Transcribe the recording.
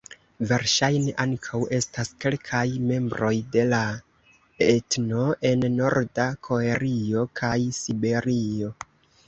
Verŝajne ankaŭ estas kelkaj membroj de la etno en Norda Koreio kaj Siberio.